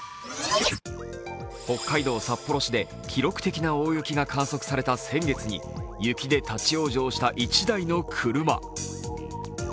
北海道札幌市で記録的な大雪が観測された先月に、雪で立往生した１台の車。